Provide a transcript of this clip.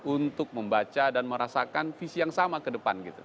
untuk membaca dan merasakan visi yang sama ke depan gitu